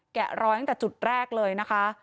แกะรอยตั้งแต่จุดแรกเลยนะคะ